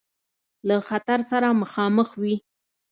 له خطر سره مخامخ وي.